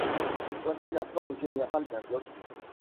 Voici la forme générale d'un bloc.